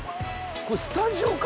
これスタジオか？